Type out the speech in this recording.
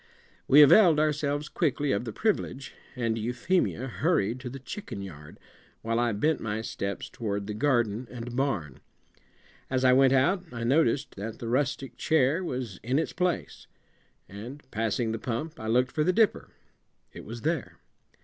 We availed ourselves quickly of the privilege, and Euphemia hurried to the chicken yard, while I bent my steps toward the garden and barn. As I went out I noticed that the rustic chair was in its place, and passing the pump I looked for the dipper. It was there.